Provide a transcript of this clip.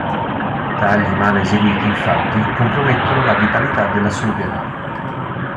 Tagli male eseguiti infatti compromettono la vitalità della sughera.